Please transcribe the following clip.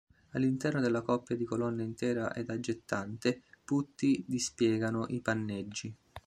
All'interno della coppia di colonne intera ed aggettante, putti dispiegano i panneggi.